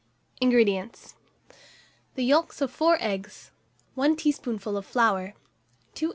INGREDIENTS. The yolks of 4 eggs, 1 teaspoonful of flour, 2 oz.